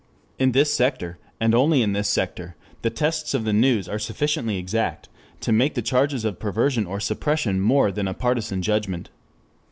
In this sector, and only in this sector, the tests of the news are sufficiently exact to make the charges of perversion or suppression more than a partisan judgment.